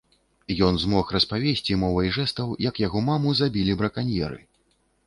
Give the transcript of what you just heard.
Ён змог распавесці мовай жэстаў як яго маму забілі браканьеры.